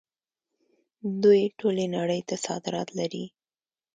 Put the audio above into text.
دوی ټولې نړۍ ته صادرات لري.